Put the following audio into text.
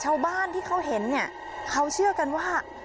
ชาวบ้านที่เขาเห็นเนี่ยเขาเชื่อกันว่า